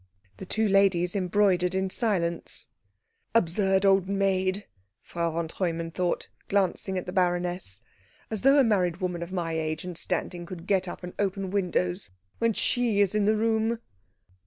The two ladies embroidered in silence. "Absurd old maid," Frau von Treumann thought, glancing at the baroness. "As though a married woman of my age and standing could get up and open windows when she is in the room."